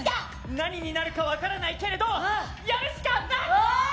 何になるか分からないけれどやるしかない！